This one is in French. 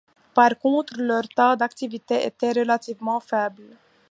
Par contre, leur taux d'activité était relativement faible.